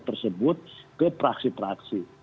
tersebut ke praksi praksi